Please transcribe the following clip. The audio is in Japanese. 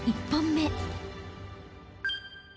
１本目］